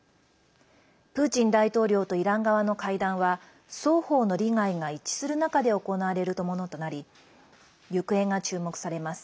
プーチン大統領とイラン側の会談は双方の利害が一致する中で行われるものとなり行方が注目されます。